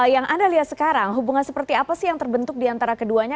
yang anda lihat sekarang hubungan seperti apa sih yang terbentuk diantara keduanya